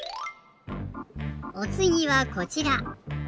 おつぎはこちら。